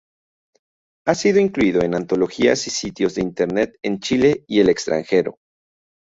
Ha sido incluido en antologías y sitios de Internet en Chile y el extranjero.